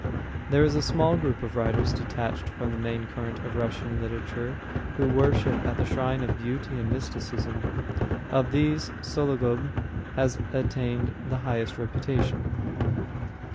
There is a small group of writers detached from the main current of Russian literature who worship at the shrine of beauty and mysticism. Of these Sologub has attained the highest reputation.